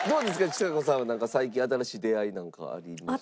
ちさ子さんは最近新しい出会いなんかありました？